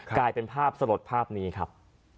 กลายเป็นภาพสลดภาพนี้ครับ